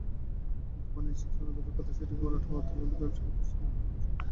কিন্তু পানি নিষ্কাশন দূরের কথা, সেটি ভরাট হওয়ায় দুর্গন্ধে ব্যবসাপ্রতিষ্ঠানে থাকা দুষ্কর।